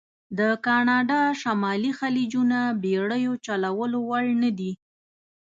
د کانادا شمالي خلیجونه بېړیو چلولو وړ نه دي.